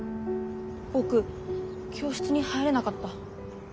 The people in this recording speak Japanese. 僕教室に入れなかった。